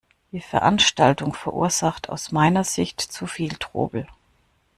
Die Veranstaltung verursacht aus meiner Sicht zu viel Trubel.